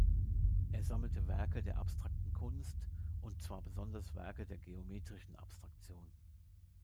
Er sammelte Werke der abstrakten Kunst und zwar besonders Werke der geometrischen Abstraktion.